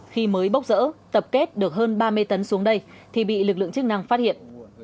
khi mới bốc rỡ tập kết được hơn ba mươi tấn xuống đây thì bị lực lượng chức năng phát hiện